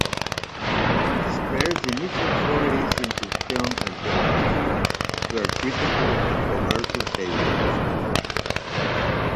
Square's initial forays into film and television were critical and commercial failures.